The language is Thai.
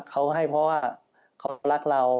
คนมันรักเรา